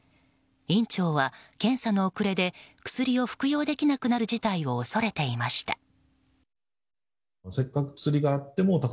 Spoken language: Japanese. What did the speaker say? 院長は検査の遅れで薬を服用できなくなる事態を恐れていました。